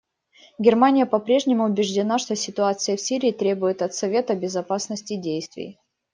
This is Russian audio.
Германия по-прежнему убеждена, что ситуация в Сирии требует от Совета Безопасности действий.